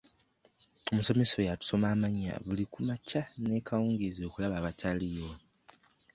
Omusomesa oyo atusoma amannya buli ku makya n'ekawungeezi okulaba abataliiwo.